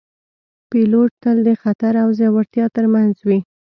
پیلوټ تل د خطر او زړورتیا ترمنځ وي